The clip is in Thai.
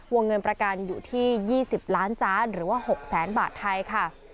วงเงินประกันอยู่ที่๒๐ล้านจานหรือว่า๖แสนบาทไทยค่ะ